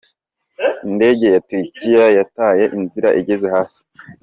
Indege ya Turukiya yataye inzira igeze hasi.